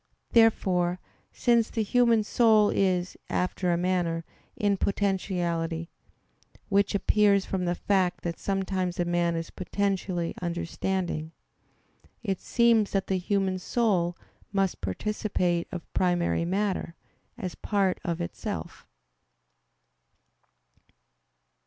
Therefore, since the human soul is, after a manner, in potentiality; which appears from the fact that sometimes a man is potentially understanding; it seems that the human soul must participate of primary matter, as part of itself.